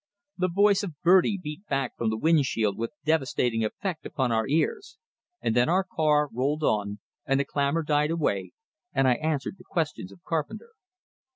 The voice of Bertie beat back from the wind shield with devastating effect upon our ears; and then our car rolled on, and the clamor died away, and I answered the questions of Carpenter.